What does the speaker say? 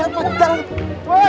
jangan lari woy